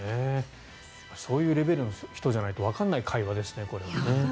そういうレベルの人じゃないとわからない会話ですね。